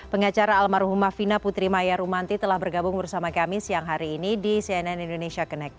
pengacara almarhumah fina putri maya rumanti telah bergabung bersama kami siang hari ini di cnn indonesia connected